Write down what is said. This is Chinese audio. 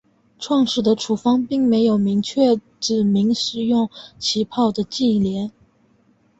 始创的处方并没有明确指明使用起泡的忌廉。